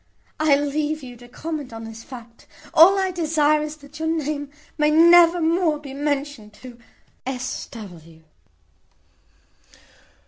I leave you to comment on this fact. All I desire is, that your name may never more be mentioned to "S. W."